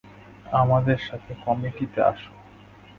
আমাদের সাথে কমিটিতে আস।